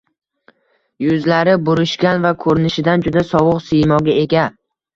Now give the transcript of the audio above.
Yuzlari burishgan va koʻrinishidan juda sovuq siymoga ega